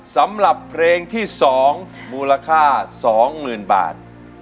สำหรับเพลงที่๒มูลค่า๒๐๐๐บาท